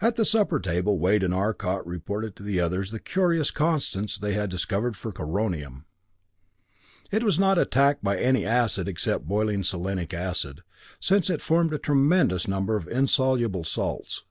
At the supper table Wade and Arcot reported to the others the curious constants they had discovered for coronium. It was not attacked by any acid except boiling selenic acid, since it formed a tremendous number of insoluble salts.